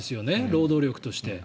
労働力として。